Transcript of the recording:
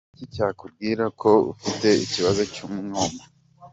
Ni iki cyakubwira ko ufite ikibazo cy’umwuma?.